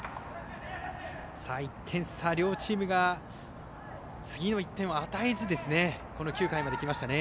１点差、両チームが次の１点を与えずこの９回まできましたね。